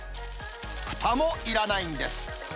ふたもいらないんです。